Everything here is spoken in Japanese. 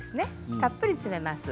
たっぷり詰めます。